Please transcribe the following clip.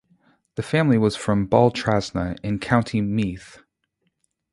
The family was from Baltrasna, in County Meath.